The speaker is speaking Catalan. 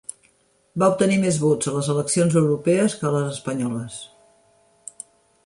Va obtenir més vots a les eleccions europees que a les espanyoles.